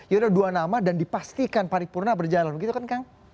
yaudah dua nama dan dipastikan paripurna berjalan begitu kan kang